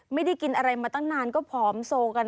ไม่ได้กินอะไรมาตั้งนานก็ผอมโซกัน